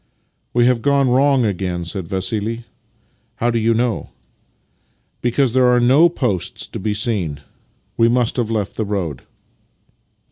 " We have gone wrong again," said Vassili. " How do you know? "" Because there are no posts to be seen. We must have left the road."